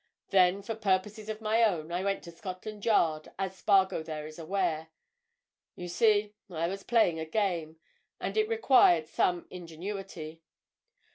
Then, for purposes of my own, I went to Scotland Yard, as Spargo there is aware. You see, I was playing a game—and it required some ingenuity."